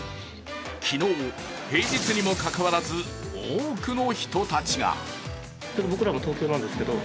昨日、平日にもかかわらず多くの人たちが。